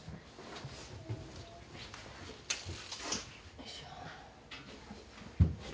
よいしょ。